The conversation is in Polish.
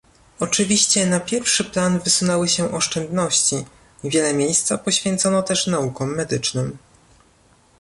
Oczywiście na pierwszy plan wysunęły się oszczędności, wiele miejsca poświęcono też naukom medycznym